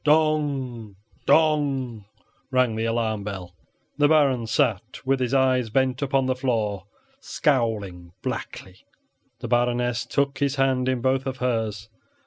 Dong! Dong! rang the alarm bell. The Baron sat with his eyes bent upon the floor, scowling blackly. The Baroness took his hand in both of hers.